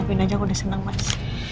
terpindah aja aku nih seneng mas